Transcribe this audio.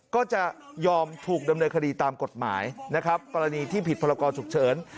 ก็จะยอมถูกดำเนินคดีตามกฎหมายนะครับกรณีที่ผิดพรกรฉุกเฉิน